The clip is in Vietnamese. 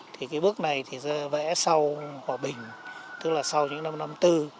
thì cái bước này thì vẽ sau hòa bình tức là sau những năm năm tư